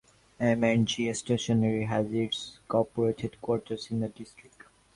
M and G Stationery has its corporate headquarters in the district.